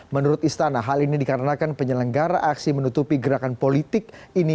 menurut istana hal ini dikarenakan penyelenggara aksi menutupi gerakan politik ini